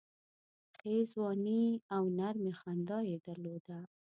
ښې ځواني او نرمي خندا یې درلوده.